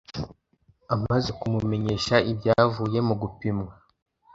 amaze kumumenyesha ibyavuye mu gupimwa